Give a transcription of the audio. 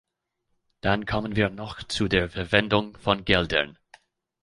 Dann kommen wir noch zu der Verwendung von Geldern.